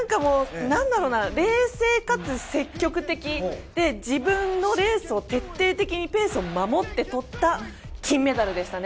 冷静かつ積極的で自分のレースを徹底的にペースを守ってとった金メダルでしたね。